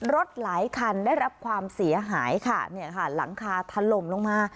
หลายคันได้รับความเสียหายค่ะเนี่ยค่ะหลังคาถล่มลงมา